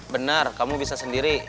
benar kamu bisa sendiri